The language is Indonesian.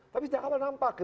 tapi tidak akan nampak